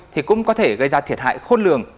thì cũng có thể gây ra thiệt hại khôn lường